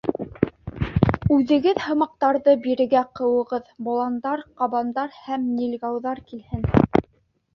Үҙегеҙ һымаҡтарҙы бирегә ҡыуығыҙ, боландар, ҡабандар һәм нильгауҙар килһен.